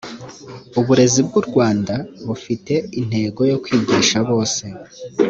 uburezi bw’u rwanda bufite intego yo kwigisha bose